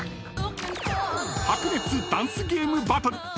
［白熱ダンスゲームバトル］